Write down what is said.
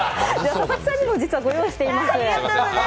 佐々木さんにもご用意しています。